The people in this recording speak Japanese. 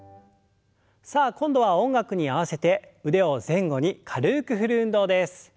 さあ今度は音楽に合わせて腕を前後に軽く振る運動です。